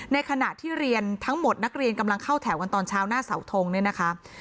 ในขณะที่เรียนทั้งหมดนักเรียนกำลังเข้าแถวกันตอนเช้าหน้าเสาทงเนี่ยนะคะ